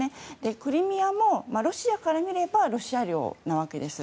クリミアもロシアから見ればロシア領なわけです。